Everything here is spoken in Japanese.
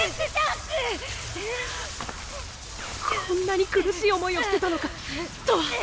こんなに苦しい思いをしてたのかとわ！！